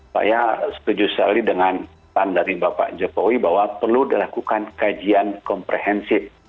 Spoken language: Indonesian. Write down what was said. saya setuju sekali dengan dari bapak jokowi bahwa perlu dilakukan kajian komprehensif